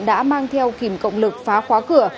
đã mang theo kìm cộng lực phá khóa cửa